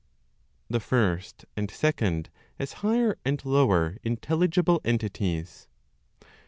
THE FIRST AND SECOND AS HIGHER AND LOWER INTELLIGIBLE ENTITIES.